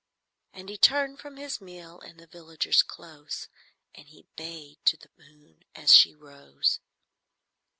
And he turned from his meal in the villager's close, And he bayed to the moon as she rose.